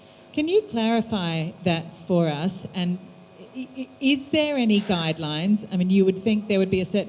dan apakah anda mengatasi apa yang harus anda lakukan untuk mengatasi masalah yang terjadi di jakarta